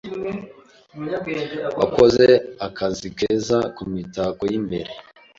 Wakoze akazi keza kumitako yimbere.